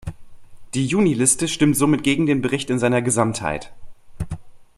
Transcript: Die Juniliste stimmt somit gegen den Bericht in seiner Gesamtheit.